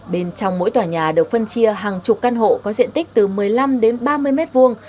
bên trong mỗi tòa nhà được phân chia hàng chục căn hộ có diện tích từ một mươi năm đến ba mươi mét vuông